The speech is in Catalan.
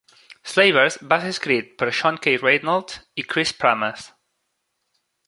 "Slavers" va ser escrit per Sean K. Reynolds i Chris Pramas.